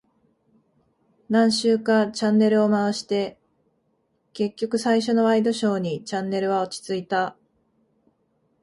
何周かチャンネルを回して、結局最初のワイドショーにチャンネルは落ち着いた。